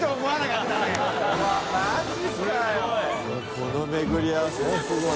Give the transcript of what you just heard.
この巡り合わせすごい。